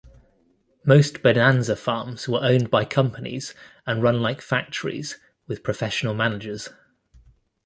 Most bonanza farms were owned by companies and run like factories, with professional managers.